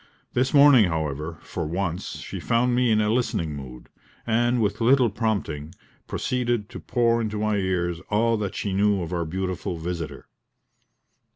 This morning, however, for once, she found me in a listening mood, and with little prompting, proceeded to pour into my ears all that she knew of our beautiful visitor.